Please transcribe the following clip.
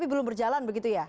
belum berjalan begitu ya